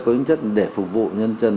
có hình chất để phục vụ nhân dân